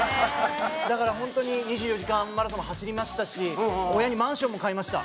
だから本当に２４時間マラソンも走りましたし親にマンションも買いました。